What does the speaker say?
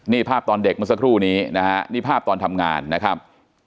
นี่ภาพตอนเด็กเมื่อสักครู่นี้นะฮะนี่ภาพตอนทำงานนะครับ